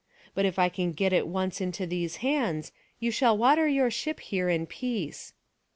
But if I can get it once into these hands, you shall water your ship here in peace."